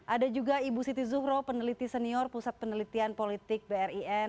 ada juga ibu siti zuhro peneliti senior pusat penelitian politik brin